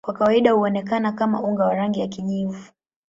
Kwa kawaida huonekana kama unga wa rangi ya kijivu.